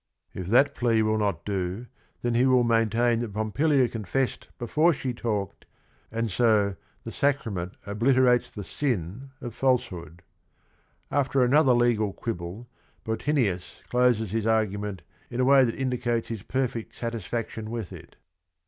If that plea will not do, then he will maintain that Pompilia confessed before she talked and so "the sacrament obliterates the sin" of falsehood. After another legal quibble, Bottinius closes his argument in a way that indicates his perfect satisfaction with it.